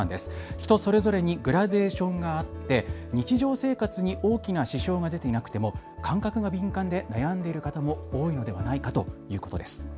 人それぞれにグラデーションがあって日常生活に大きな支障が出ていなくても感覚が過敏で悩んでいる方も多いのではないかということです。